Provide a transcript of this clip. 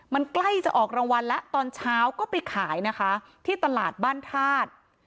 มันใกล้จะออกรางวัลแล้วตอนเช้าก็ไปขายนะคะที่ตลาดบ้านธาตุ